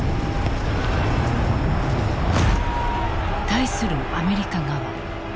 対するアメリカ側。